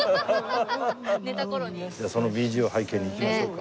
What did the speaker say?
そのＢＧＭを背景に行きましょうか。